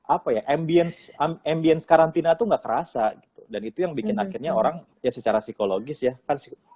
apa ya ambience ambience karantina tuh nggak kerasa gitu dan itu yang bikin akhirnya orang ya secara psikologis ya kan